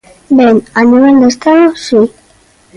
Ben, a nivel de Estado, si.